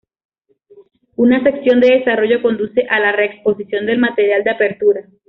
Una sección de desarrollo conduce a la reexposición del material de apertura.